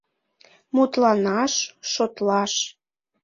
— Мутланаш, шотлаш...